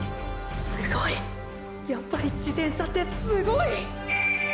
すごいやっぱり自転車ってすごい！！